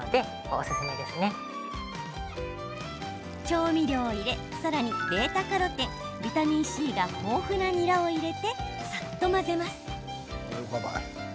調味料を入れさらにβ−カロテンビタミンＣが豊富なニラを入れてさっと混ぜます。